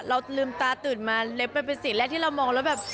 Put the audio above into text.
เราลืมตาตื่นมาเล็บมันเป็นสีแรกที่เรามองแล้วแบบ